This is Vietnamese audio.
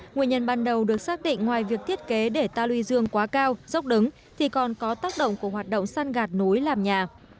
nguyên nhân ban đầu được xác định ngoài việc thiết kế để ta luy dương quá cao dốc đứng thì còn có tác động của hoạt động săn gạt núi làm nhà